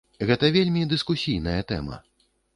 Гэта вельмі дыскусійная тэма.